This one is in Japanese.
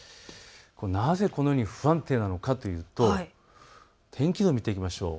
なぜこのように不安定なのかというと、天気図を見ていきましょう。